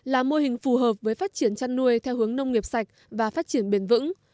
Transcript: là mô hình phù hợp với phát triển chăn nuôi theo hướng nông nghiệp sạch và phát triển bền vững